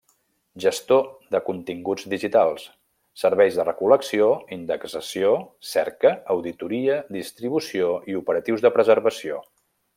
Gestor de continguts digitals: serveis de recol·lecció, indexació, cerca, auditoria, distribució i operatius de preservació.